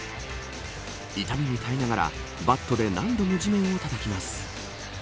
痛みに耐えながらバットで何度も地面をたたきます。